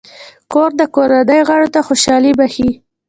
کور د کورنۍ غړو ته خوشحالي بښي.